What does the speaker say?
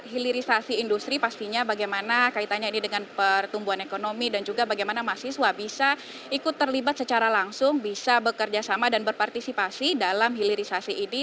hilirisasi industri pastinya bagaimana kaitannya ini dengan pertumbuhan ekonomi dan juga bagaimana mahasiswa bisa ikut terlibat secara langsung bisa bekerja sama dan berpartisipasi dalam hilirisasi ini